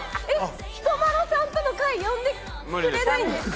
彦摩呂さんとの会呼んでくれないんですか？